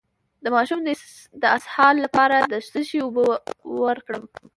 د ماشوم د اسهال لپاره د څه شي اوبه ورکړم؟